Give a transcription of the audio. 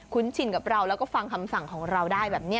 คุ้นชินกับเราแล้วก็ฟังคำสั่งได้แบบนี้